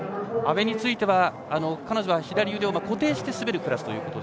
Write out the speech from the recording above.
阿部については、彼女は左腕を固定して滑るクラス。